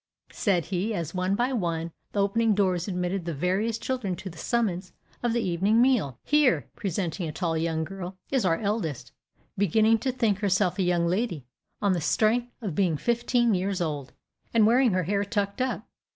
said he, as one by one the opening doors admitted the various children to the summons of the evening meal. "Here," presenting a tall young girl, "is our eldest, beginning to think herself a young lady, on the strength of being fifteen years old, and wearing her hair tucked up.